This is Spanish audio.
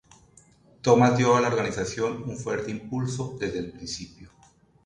Thomas dio a la Organización un fuerte impulso desde el principio.